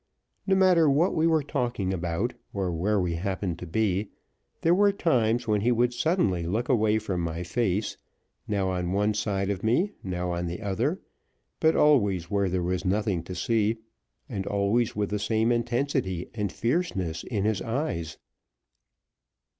No matter what we were talking about, or where we happened to be, there were times when he would suddenly look away from my face, now on one side of me, now on the other, but always where there was nothing to see, and always with the same intensity and fierceness in his eyes.